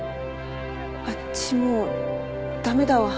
あっちもう駄目だわ。